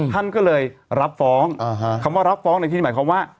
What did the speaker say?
ท่านก็เลยรับฟ้องคำว่ารับฟ้องในที่หมายความว่า